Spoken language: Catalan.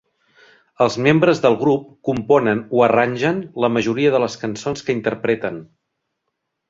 Els membres del grup componen o arrangen la majoria de les cançons que interpreten.